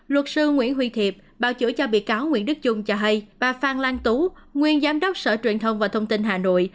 luật sư nguyễn huy thiệp bào chữa cho bị cáo nguyễn đức trung cho hay bà phan lan tú nguyên giám đốc sở truyền thông và thông tin hà nội